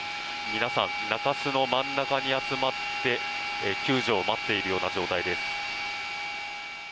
皆さん中州の真ん中に集まって救助を待っているような状態です。